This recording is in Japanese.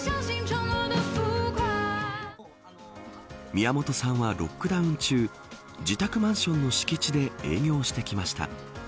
宮本さんは、ロックダウン中自宅マンションの敷地で営業してきました。